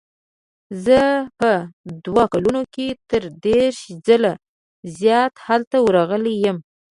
زه په دوو کلونو کې تر دېرش ځله زیات هلته ورغلی یم.